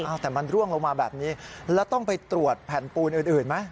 แต่มันร่วงลงมาแบบนี้แล้วต้องไปตรวจแผ่นปูนอื่นไหม